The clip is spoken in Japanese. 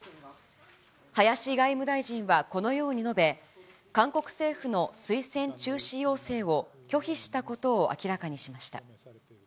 林外務大臣はこのように述べ、韓国政府の推薦中止要請を拒否したことを明らかにしました。